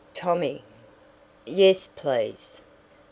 "Tommy!" "Yes, please?"